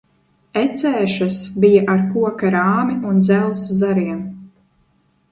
Ecēšas bija ar koka rāmi un dzelzs zariem.